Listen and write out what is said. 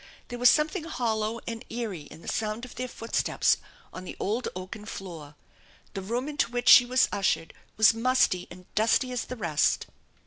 There was something hollow and eerie in the sound of their footsteps on the old oaken floor. The room into which she was ushered was musty and dusty as the rest.